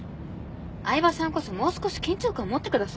饗庭さんこそもう少し緊張感持ってください。